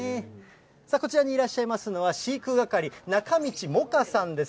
さあ、こちらにいらっしゃいますのは、飼育係、中道望花さんです。